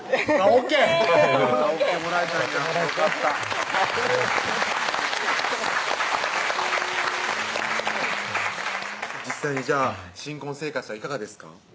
ＯＫもらえたんやよかった実際に新婚生活はいかがですか？